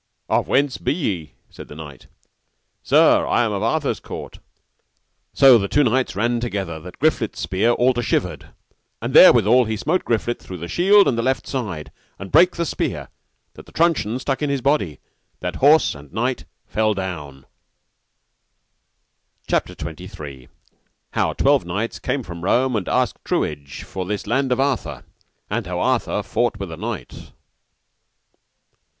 Of whence be ye? said the knight. Sir, I am of Arthur's court. So the two knights ran together that Griflet's spear all to shivered; and there withal he smote Griflet through the shield and the left side, and brake the spear that the truncheon stuck in his body, that horse and knight fell down. CHAPTER XXIII. How twelve knights came from Rome and asked truage for this land of Arthur, and how Arthur fought with a knight.